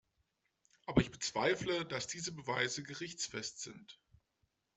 Aber ich bezweifle, dass diese Beweise gerichtsfest sind.